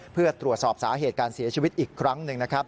เพื่อตรวจสอบสาเหตุการเสียชีวิตอีกครั้งหนึ่งนะครับ